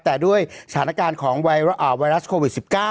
แต่ด้วยสถานการณ์ของไวรัสโควิด๑๙